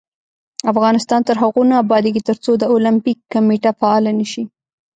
افغانستان تر هغو نه ابادیږي، ترڅو د اولمپیک کمیټه فعاله نشي.